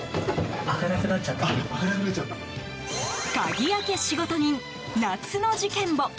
鍵開け仕事人、夏の事件簿